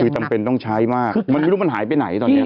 คือต้องใช้มากมันหายไปไหนตอนนี้